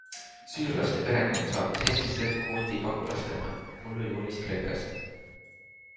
Süürlaste perekond saabus Eestisse kvoodipagulastena mullu juunis Kreekast.